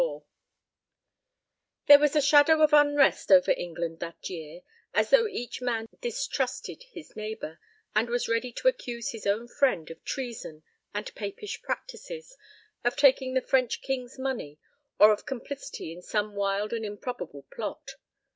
XXIV There was a shadow of unrest over England that year, as though each man distrusted his neighbor, and was ready to accuse his own friend of treason and papish practices, of taking the French King's money, or of complicity in some wild and improbable plot.